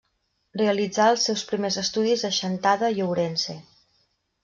Realitzà els seus primers estudis a Chantada i Ourense.